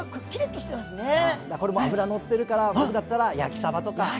これも脂乗ってるから僕だったら焼きさばとかですかね。